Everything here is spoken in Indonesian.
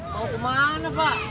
mau ke mana pak